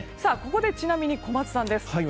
ここで、ちなみに小松さん